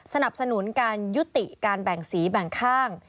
สนับสนุนการยุติการแบ่งสีแบ่งข้าง